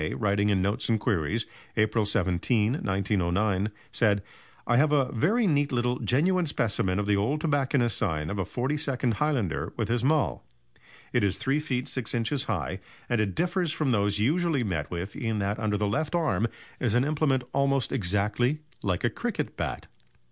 writing in Notes and Queries, April 17, 1909, said: "I have a very neat little, genuine specimen of the old tobacconist's sign of a 42nd Highlander with his 'mull.' It is 3 ft. 6 in. high, and it differs from those usually met with in that under the left arm is an implement almost exactly like a cricket bat.